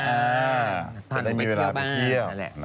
เออผ่านไปเครือบ้าน